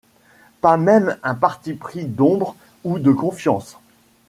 Pas même un parti pris d’ombre ou de confiance.